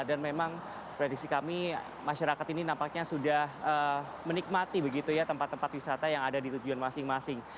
dan memang prediksi kami masyarakat ini nampaknya sudah menikmati begitu ya tempat tempat wisata yang ada di tujuan masing masing